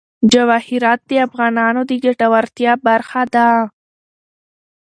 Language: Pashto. جواهرات د افغانانو د ګټورتیا برخه ده.